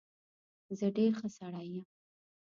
زه ډېر ښه سړى يم.